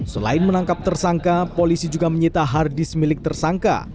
selain menangkap tersangka polisi juga menyita harddisk milik tersangka